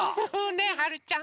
ねっはるちゃん。